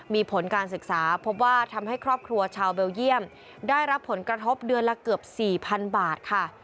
มีผลการศึกษาพบว่าทำให้ครอบครัวชาวเบลเยี่ยมได้รับผลกระทบเดือนละเกือบ๔๐๐๐บาทค่ะ